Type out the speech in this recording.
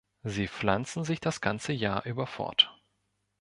Sie pflanzen sich das ganze Jahr über fort.